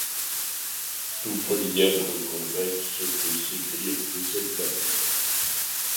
Tout polyèdre convexe peut s'écrire de cette manière.